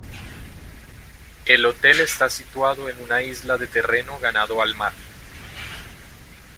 El hotel está situado en una isla de terreno ganado al mar.